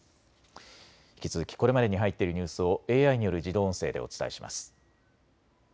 引き続きこれまでに入っているニュースをＡＩによる自動音声でお伝えします。